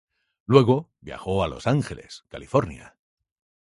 Luego, viajó a Los Ángeles, California.